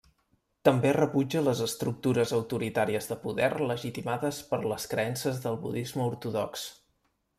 També rebutja les estructures autoritàries de poder legitimades per les creences del budisme ortodox.